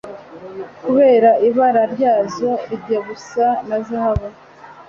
kubera ibara ryazo rijya gusa na Zahabu